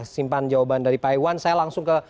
simpan jawaban dari pak iwan saya langsung ke